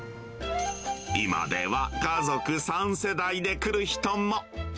今では家族３世代で来る人も。